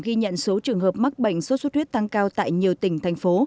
ghi nhận số trường hợp mắc bệnh sốt xuất huyết tăng cao tại nhiều tỉnh thành phố